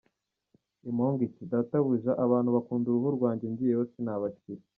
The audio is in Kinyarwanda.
Impongo iti « databuja, abantu bakunda uruhu rwanjye, ngiyeyo sinabakira.